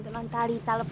taruh taruh taruh